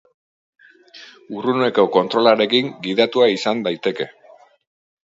Urruneko kontrolarekin gidatua izan daiteke.